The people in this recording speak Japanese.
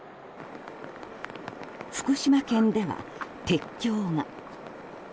福島県では、鉄橋が。